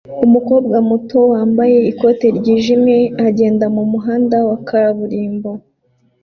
Umukobwa muto wambaye ikote ryijimye agenda mumuhanda wa kaburimbo